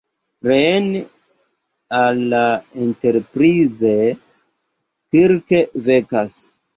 Reen al la Enterprise, Kirk vekas.